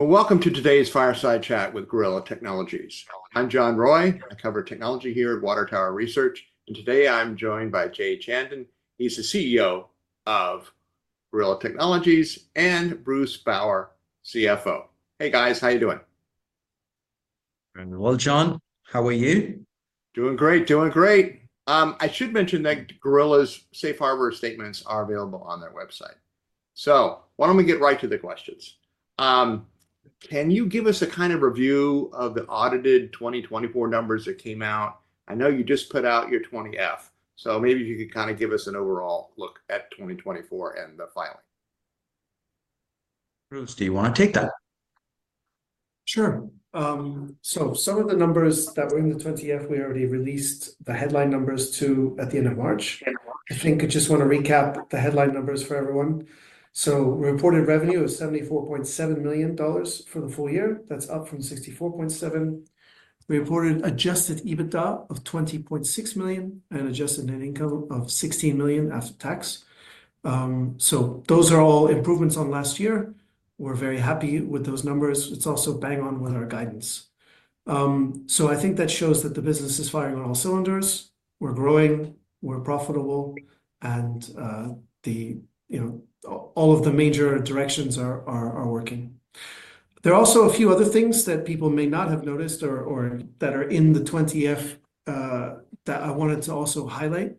Welcome to today's Fireside Chat with Gorilla Technology. I'm John Roy. I cover technology here at Water Tower Research. Today I'm joined by Jay Chandan. He's the CEO of Gorilla Technology and Bruce Bower, CFO. Hey guys, how are you doing? John, how are you? Doing great. Doing great. I should mention that Gorilla's Safe Harbor statements are available on their website. Why don't we get right to the questions? Can you give us a kind of review of the audited 2024 numbers that came out? I know you just put out your 20-F, so maybe if you could kind of give us an overall look at 2024 and the filing. Bruce, do you want to take that? Sure. Some of the numbers that were in the 20-F, we already released the headline numbers at the end of March. I think I just want to recap the headline numbers for everyone. We reported revenue of $74.7 million for the full year. That's up from $64.7 million. We reported adjusted EBITDA of $20.6 million and adjusted net income of $16 million after tax. Those are all improvements on last year. We're very happy with those numbers. It's also bang on with our guidance. I think that shows that the business is firing on all cylinders. We're growing, we're profitable, and all of the major directions are working. There are also a few other things that people may not have noticed or that are in the 20-F that I wanted to also highlight.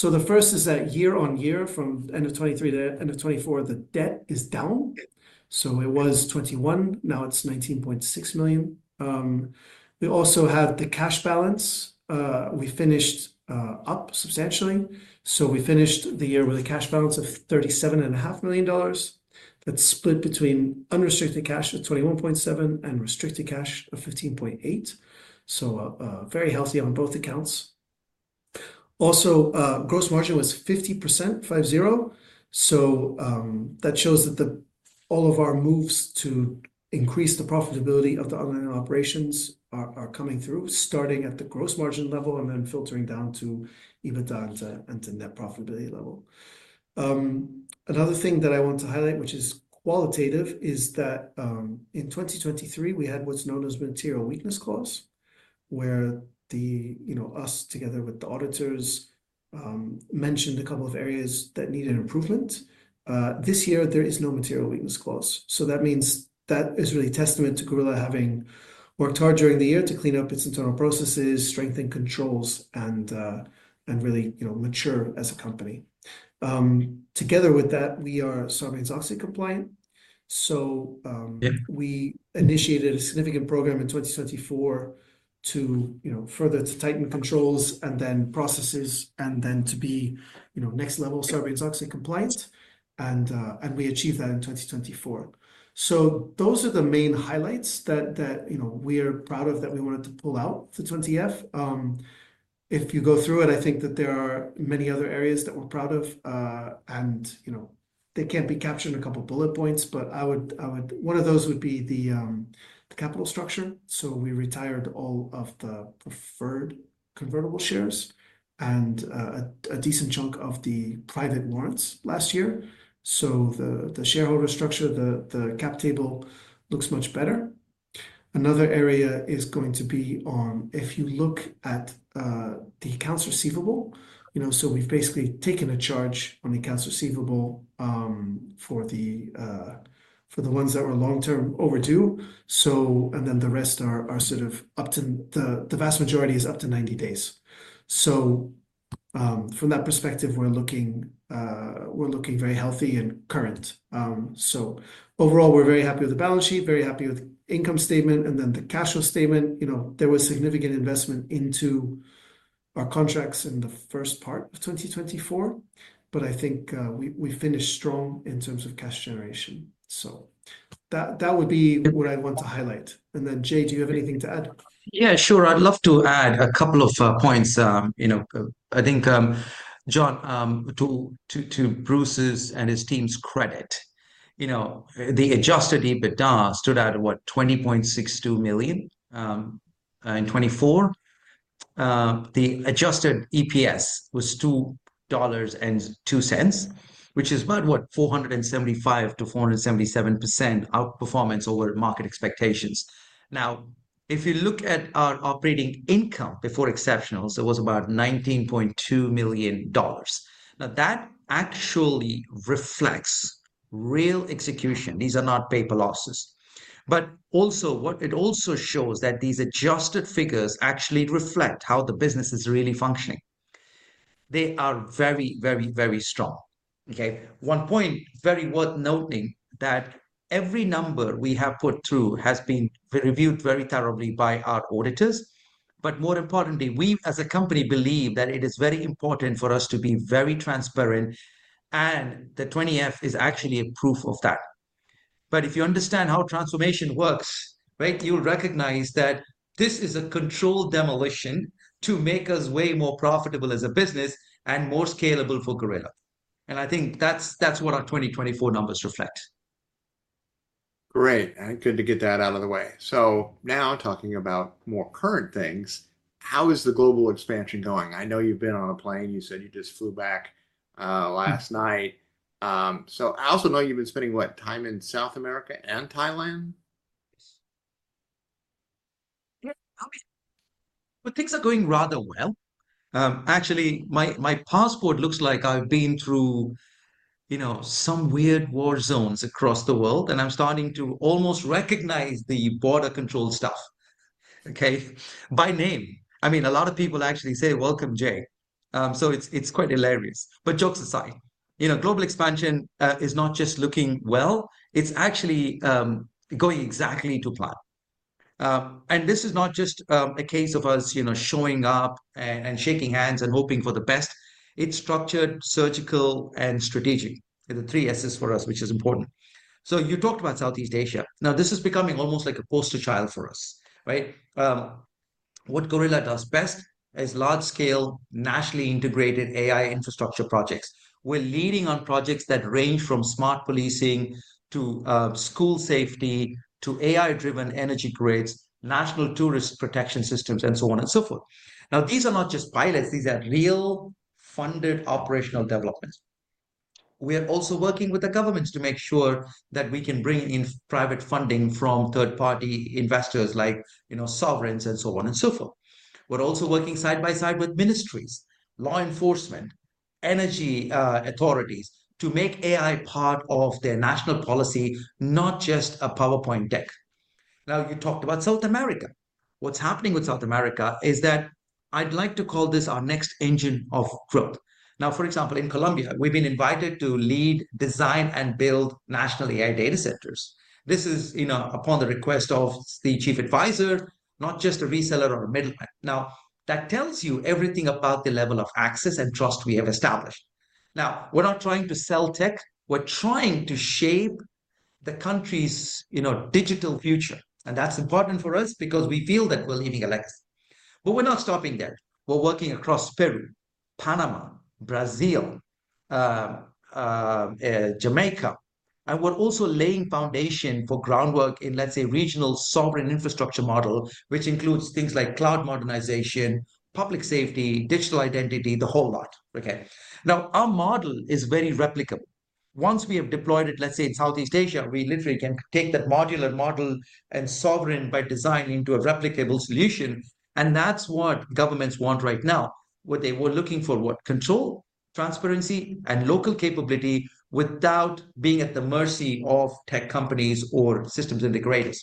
The first is that year on year, from end of 2023 to end of 2024, the debt is down. It was $21 million, now it is $19.6 million. We also have the cash balance. We finished up substantially. We finished the year with a cash balance of $37.5 million. That is split between unrestricted cash of $21.7 million and restricted cash of $15.8 million. Very healthy on both accounts. Also, gross margin was 50%. That shows that all of our moves to increase the profitability of the online operations are coming through, starting at the gross margin level and then filtering down to EBITDA and to net profitability level. Another thing that I want to highlight, which is qualitative, is that in 2023, we had what is known as material weakness clause, where we together with the auditors mentioned a couple of areas that needed improvement. This year, there is no material weakness clause. That means that is really a testament to Gorilla having worked hard during the year to clean up its internal processes, strengthen controls, and really mature as a company. Together with that, we are Sarbanes-Oxley compliant. We initiated a significant program in 2024 to further tighten controls and processes and to be next level Sarbanes-Oxley compliant. We achieved that in 2024. Those are the main highlights that we are proud of that we wanted to pull out of the 20-F. If you go through it, I think that there are many other areas that we're proud of. They cannot be captured in a couple of bullet points, but one of those would be the capital structure. We retired all of the preferred convertible shares and a decent chunk of the private warrants last year. The shareholder structure, the cap table looks much better. Another area is going to be on if you look at the accounts receivable. We've basically taken a charge on accounts receivable for the ones that were long-term overdue. The rest are sort of up to, the vast majority is up to 90 days. From that perspective, we're looking very healthy and current. Overall, we're very happy with the balance sheet, very happy with income statement, and then the cash flow statement. There was significant investment into our contracts in the first part of 2024, but I think we finished strong in terms of cash generation. That would be what I want to highlight. Jay, do you have anything to add? Yeah, sure. I'd love to add a couple of points. I think, John, to Bruce's and his team's credit, the Adjusted EBITDA stood at, what, $20.62 million in 2024. The Adjusted EPS was $2.02, which is about, what, 475%-477% outperformance over market expectations. Now, if you look at our operating income before exceptionals, it was about $19.2 million. Now, that actually reflects real execution. These are not paper losses. It also shows that these adjusted figures actually reflect how the business is really functioning. They are very, very, very strong. Okay. One point very worth noting is that every number we have put through has been reviewed very thoroughly by our auditors. More importantly, we as a company believe that it is very important for us to be very transparent. The 20-F is actually a proof of that. If you understand how transformation works, you'll recognize that this is a controlled demolition to make us way more profitable as a business and more scalable for Gorilla. I think that's what our 2024 numbers reflect. Great. Good to get that out of the way. Now talking about more current things, how is the global expansion going? I know you've been on a plane. You said you just flew back last night. I also know you've been spending, what, time in South America and Thailand? Things are going rather well. Actually, my passport looks like I have been through some weird war zones across the world, and I am starting to almost recognize the border control staff, okay, by name. I mean, a lot of people actually say, "Welcome, Jay." It is quite hilarious. Jokes aside, global expansion is not just looking well. It is actually going exactly to plan. This is not just a case of us showing up and shaking hands and hoping for the best. It is structured, surgical, and strategic. The three S's for us, which is important. You talked about Southeast Asia. Now, this is becoming almost like a poster child for us, right? What Gorilla does best is large-scale, nationally integrated AI infrastructure projects. We're leading on projects that range from smart policing to school safety to AI-driven energy grids, national tourist protection systems, and so on and so forth. Now, these are not just pilots. These are real funded operational developments. We are also working with the governments to make sure that we can bring in private funding from third-party investors like sovereigns and so on and so forth. We're also working side by side with ministries, law enforcement, energy authorities to make AI part of their national policy, not just a PowerPoint deck. Now, you talked about South America. What's happening with South America is that I'd like to call this our next engine of growth. Now, for example, in Colombia, we've been invited to lead, design, and build national AI data centers. This is upon the request of the chief advisor, not just a reseller or a middleman. Now, that tells you everything about the level of access and trust we have established. Now, we're not trying to sell tech. We're trying to shape the country's digital future. That's important for us because we feel that we're leaving a legacy. We're not stopping there. We're working across Peru, Panama, Brazil, Jamaica. We're also laying foundation for groundwork in, let's say, regional sovereign infrastructure model, which includes things like cloud modernization, public safety, digital identity, the whole lot. Okay. Our model is very replicable. Once we have deployed it, let's say, in Southeast Asia, we literally can take that modular model and sovereign by design into a replicable solution. That's what governments want right now. What they were looking for, what, control, transparency, and local capability without being at the mercy of tech companies or systems integrators.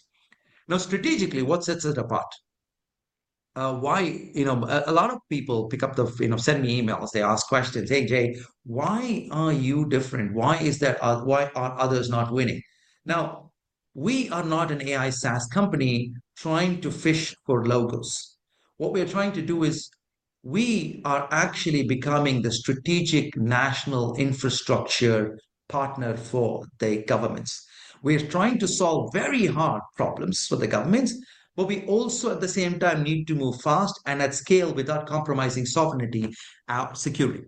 Now, strategically, what sets it apart? A lot of people pick up, they send me emails. They ask questions, "Hey, Jay, why are you different? Why are others not winning?" Now, we are not an AI SaaS company trying to fish for logos. What we are trying to do is we are actually becoming the strategic national infrastructure partner for the governments. We are trying to solve very hard problems for the governments, but we also, at the same time, need to move fast and at scale without compromising sovereignty security.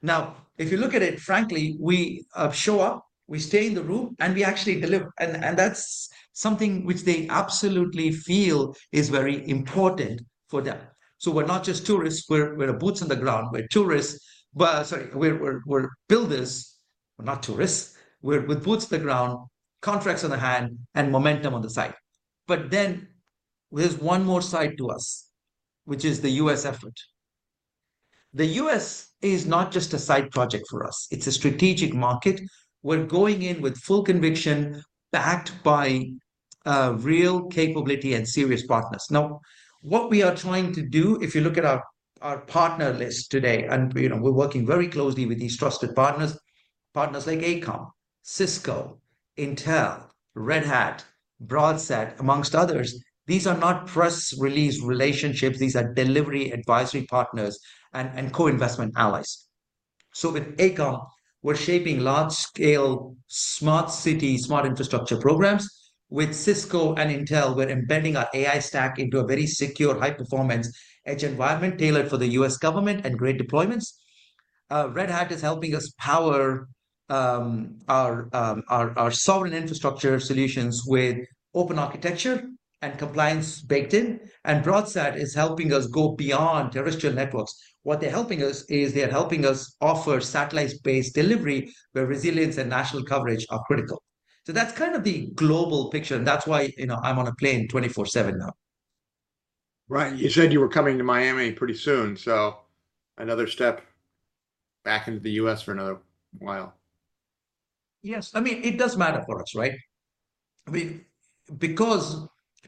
Now, if you look at it, frankly, we show up, we stay in the room, and we actually deliver. That is something which they absolutely feel is very important for them. We are not just tourists. We are boots on the ground. We are tourists. Sorry, we are builders. We are not tourists. We are with boots on the ground, contracts on the hand, and momentum on the side. But then there's one more side to us, which is the U.S. effort. The U.S. is not just a side project for us. It's a strategic market. We're going in with full conviction, backed by real capability and serious partners. Now, what we are trying to do, if you look at our partner list today, and we're working very closely with these trusted partners, partners like AECOM, Cisco, Intel, Red Hat, BroadSet, amongst others. These are not press release relationships. These are delivery advisory partners and co-investment allies. With AECOM, we're shaping large-scale smart city, smart infrastructure programs. With Cisco and Intel, we're embedding our AI stack into a very secure, high-performance edge environment tailored for the US government and great deployments. Red Hat is helping us power our sovereign infrastructure solutions with open architecture and compliance baked in. BroadSet is helping us go beyond terrestrial networks. What they're helping us is they're helping us offer satellite-based delivery where resilience and national coverage are critical. That is kind of the global picture. That is why I'm on a plane 24/7 now. Right. You said you were coming to Miami pretty soon. Another step back into the U.S. for another while. Yes. I mean, it does matter for us, right? I mean, because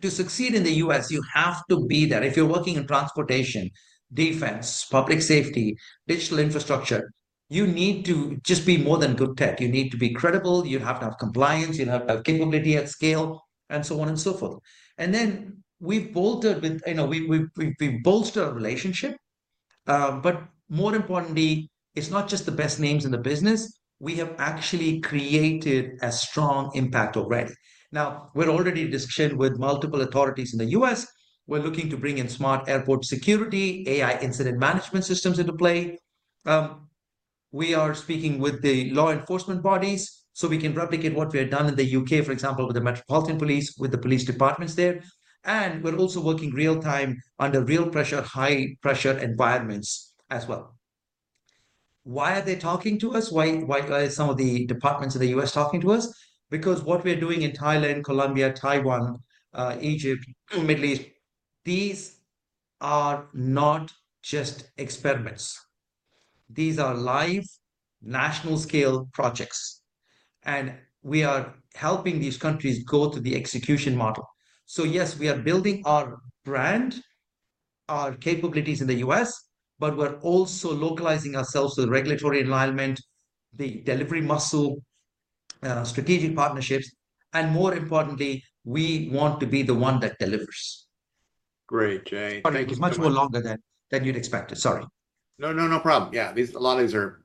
to succeed in the U.S., you have to be there. If you're working in transportation, defense, public safety, digital infrastructure, you need to just be more than good tech. You need to be credible. You have to have compliance. You have to have capability at scale, and so on and so forth. We have bolstered our relationship. More importantly, it's not just the best names in the business. We have actually created a strong impact already. Now, we're already in discussion with multiple authorities in the U.S. We're looking to bring in smart airport security, AI incident management systems into play. We are speaking with the law enforcement bodies so we can replicate what we had done in the U.K., for example, with the Metropolitan Police, with the police departments there. We are also working real-time under real pressure, high-pressure environments as well. Why are they talking to us? Why are some of the departments in the U.S. talking to us? Because what we are doing in Thailand, Colombia, Taiwan, Egypt, Middle East, these are not just experiments. These are live, national-scale projects. We are helping these countries go to the execution model. Yes, we are building our brand, our capabilities in the U.S., but we are also localizing ourselves to the regulatory environment, the delivery muscle, strategic partnerships. More importantly, we want to be the one that delivers. Great, Jay. It's much longer than you'd expected. Sorry. No, no, no problem. Yeah. A lot of these are,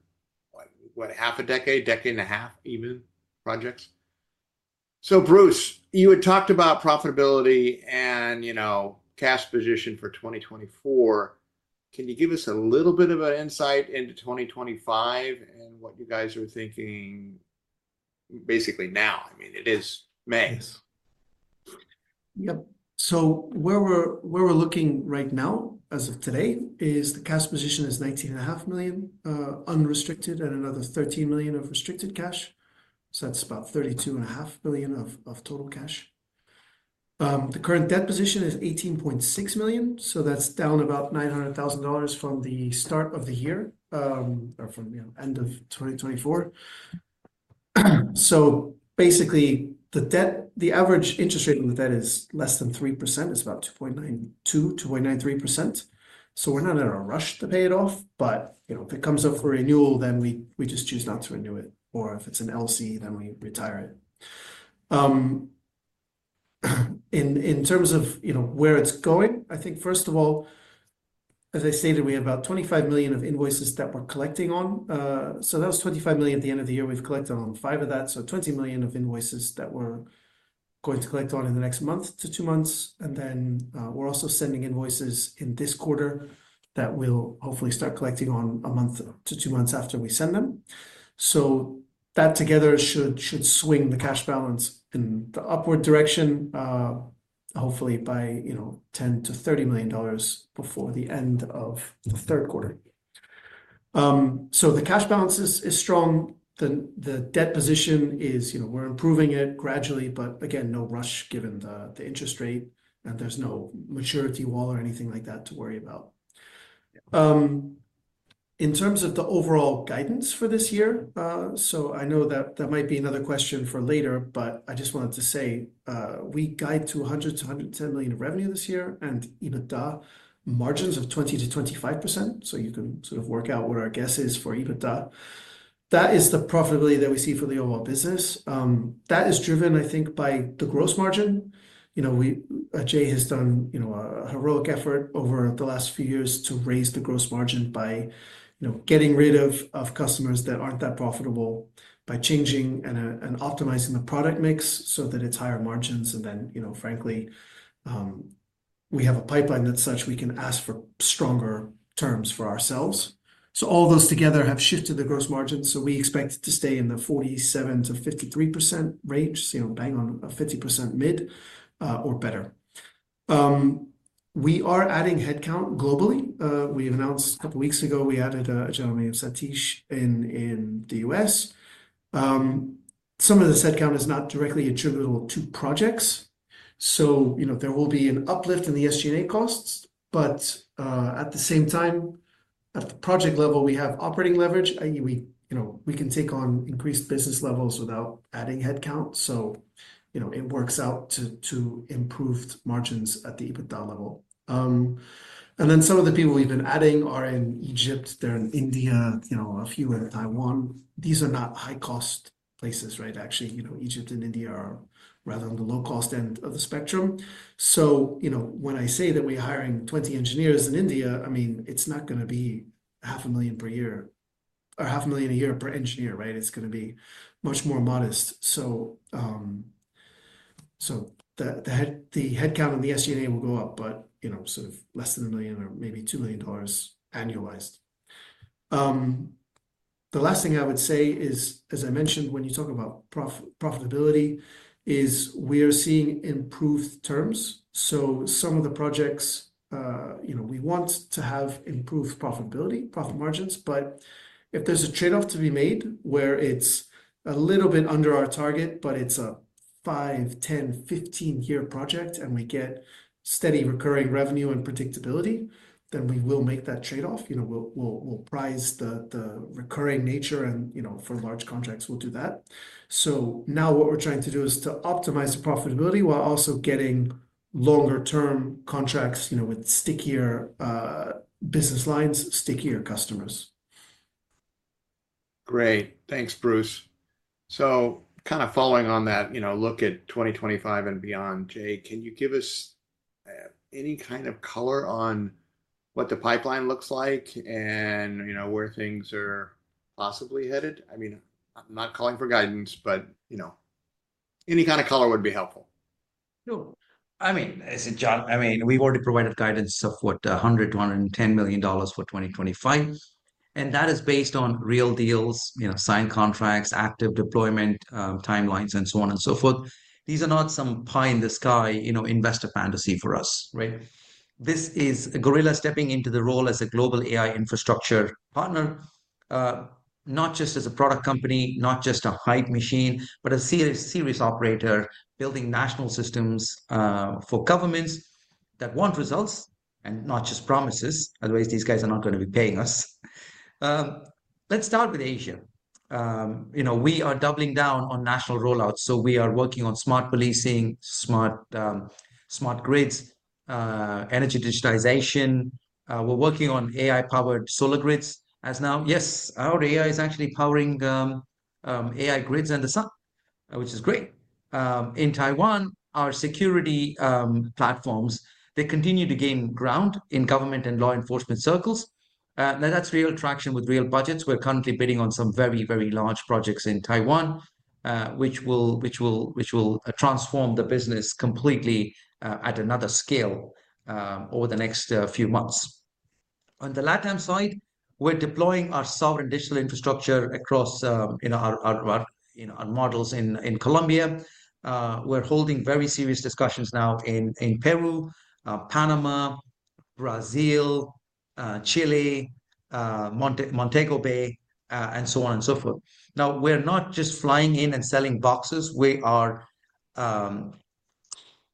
what, half a decade, decade and a half, even, projects. So Bruce, you had talked about profitability and cash position for 2024. Can you give us a little bit of an insight into 2025 and what you guys are thinking basically now? I mean, it is May. Yep. Where we're looking right now as of today is the cash position is $19.5 million unrestricted and another $13 million of restricted cash. That's about $32.5 million of total cash. The current debt position is $18.6 million. That's down about $900,000 from the start of the year or from the end of 2024. Basically, the average interest rate on the debt is less than 3%. It's about 2.92%, 2.93%. We're not in a rush to pay it off, but if it comes up for renewal, we just choose not to renew it. If it's an LC, we retire it. In terms of where it's going, I think, first of all, as I stated, we have about $25 million of invoices that we're collecting on. That was $25 million at the end of the year. We've collected on $5 million of that. Twenty million of invoices that we're going to collect on in the next month to two months. We're also sending invoices in this quarter that we'll hopefully start collecting on a month to two months after we send them. That together should swing the cash balance in the upward direction, hopefully by $10 million-$30 million before the end of the third quarter. The cash balance is strong. The debt position is we're improving it gradually, but again, no rush given the interest rate. There's no maturity wall or anything like that to worry about. In terms of the overall guidance for this year, I know that that might be another question for later, but I just wanted to say we guide to $100 million-$110 million of revenue this year and EBITDA margins of 20%-25%. You can sort of work out what our guess is for EBITDA. That is the profitability that we see for the overall business. That is driven, I think, by the gross margin. Jay has done a heroic effort over the last few years to raise the gross margin by getting rid of customers that are not that profitable, by changing and optimizing the product mix so that it is higher margins. Frankly, we have a pipeline that is such we can ask for stronger terms for ourselves. All those together have shifted the gross margin. We expect to stay in the 47%-53% range, bang on a 50% mid or better. We are adding headcount globally. We announced a couple of weeks ago we added a gentleman named Satish in the U.S. Some of this headcount is not directly attributable to projects. There will be an uplift in the SG&A costs. At the same time, at the project level, we have operating leverage. We can take on increased business levels without adding headcount. It works out to improved margins at the EBITDA level. Some of the people we've been adding are in Egypt, they're in India, a few are in Taiwan. These are not high-cost places, right? Actually, Egypt and India are rather on the low-cost end of the spectrum. When I say that we're hiring 20 engineers in India, I mean, it's not going to be $500,000 per year or $500,000 a year per engineer, right? It's going to be much more modest. The headcount on the SG&A will go up, but sort of less than $1 million or maybe $2 million annualized. The last thing I would say is, as I mentioned, when you talk about profitability, we are seeing improved terms. Some of the projects, we want to have improved profitability, profit margins. If there is a trade-off to be made where it is a little bit under our target, but it is a 5-year, 10-year, 15-year project, and we get steady recurring revenue and predictability, we will make that trade-off. We will price the recurring nature. For large contracts, we will do that. What we are trying to do now is to optimize the profitability while also getting longer-term contracts with stickier business lines, stickier customers. Great. Thanks, Bruce. Kind of following on that, look at 2025 and beyond, Jay, can you give us any kind of color on what the pipeline looks like and where things are possibly headed? I mean, I'm not calling for guidance, but any kind of color would be helpful. Sure. I mean, as John, I mean, we've already provided guidance of what, $100 million-$110 million for 2025. And that is based on real deals, signed contracts, active deployment timelines, and so on and so forth. These are not some pie-in-the-sky investor fantasy for us, right? This is Gorilla stepping into the role as a global AI infrastructure partner, not just as a product company, not just a hype machine, but a serious operator building national systems for governments that want results and not just promises. Otherwise, these guys are not going to be paying us. Let's start with Asia. We are doubling down on national rollouts. We are working on smart policing, smart grids, energy digitization. We're working on AI-powered solar grids as now. Yes, our AI is actually powering AI grids and the sun, which is great. In Taiwan, our security platforms, they continue to gain ground in government and law enforcement circles. That's real traction with real budgets. We're currently bidding on some very, very large projects in Taiwan, which will transform the business completely at another scale over the next few months. On the LatAm side, we're deploying our sovereign digital infrastructure across our models in Colombia. We're holding very serious discussions now in Peru, Panama, Brazil, Chile, Montego Bay, and so on and so forth. Now, we're not just flying in and selling boxes.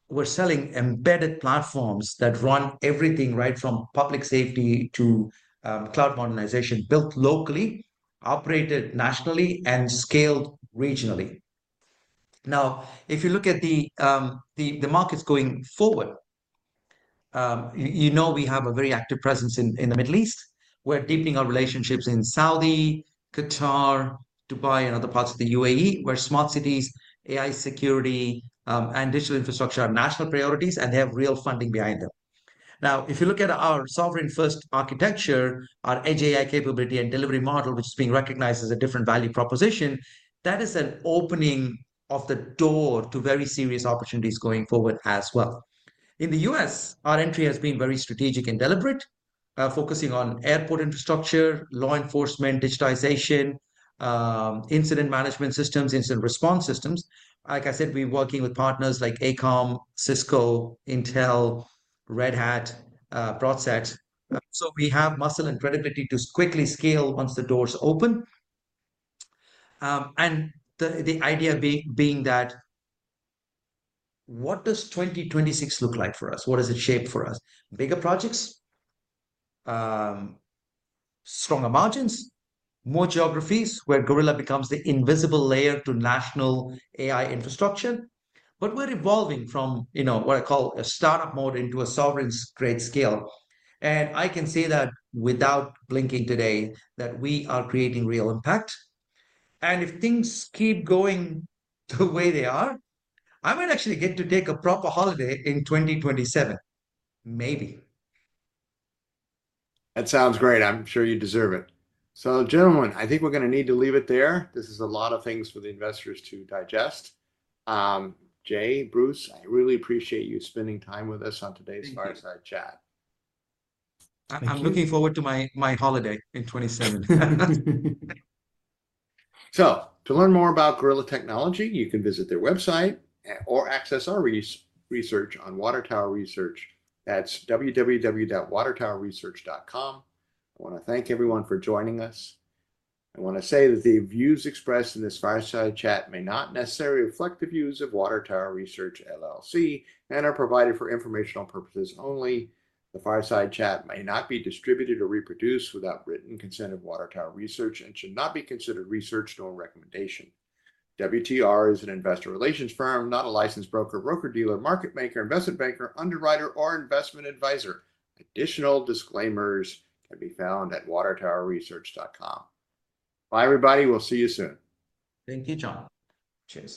We're selling embedded platforms that run everything right from public safety to cloud modernization built locally, operated nationally, and scaled regionally. Now, if you look at the markets going forward, you know we have a very active presence in the Middle East. We're deepening our relationships in Saudi, Qatar, Dubai, and other parts of the UAE, where smart cities, AI security, and digital infrastructure are national priorities, and they have real funding behind them. Now, if you look at our sovereign-first architecture, our edge AI capability and delivery model, which is being recognized as a different value proposition, that is an opening of the door to very serious opportunities going forward as well. In the U.S., our entry has been very strategic and deliberate, focusing on airport infrastructure, law enforcement, digitization, incident management systems, incident response systems. Like I said, we're working with partners like AECOM, Cisco, Intel, Red Hat, BroadSet. We have muscle and credibility to quickly scale once the doors open. The idea being that what does 2026 look like for us? What does it shape for us? Bigger projects, stronger margins, more geographies where Gorilla becomes the invisible layer to national AI infrastructure. We're evolving from what I call a startup mode into a sovereign-grade scale. I can say that without blinking today that we are creating real impact. If things keep going the way they are, I might actually get to take a proper holiday in 2027, maybe. That sounds great. I'm sure you deserve it. Gentlemen, I think we're going to need to leave it there. This is a lot of things for the investors to digest. Jay, Bruce, I really appreciate you spending time with us on today's fireside chat. I'm looking forward to my holiday in 2027. To learn more about Gorilla Technology, you can visit their website or access our research on Water Tower Research at www.watertowerresearch.com. I want to thank everyone for joining us. I want to say that the views expressed in this fireside chat may not necessarily reflect the views of Water Tower Research and are provided for informational purposes only. The fireside chat may not be distributed or reproduced without written consent of Water Tower Research and should not be considered research nor recommendation. WTR is an investor relations firm, not a licensed broker, broker-dealer, market maker, investment banker, underwriter, or investment advisor. Additional disclaimers can be found at watertowerresearch.com. Bye, everybody. We'll see you soon. Thank you, John. Cheers.